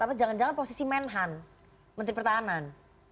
apa jangan jangan posisi menhan menteri pertahanan